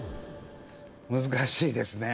難しいですね。